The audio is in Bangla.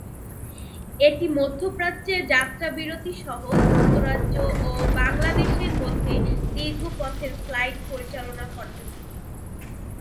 এটি মধ্যপ্রাচ্যে যাত্রাবিরতি সহ যুক্তরাজ্য ও বাংলাদেশের মধ্যে দীর্ঘ পথের ফ্লাইট পরিচালনা করতো।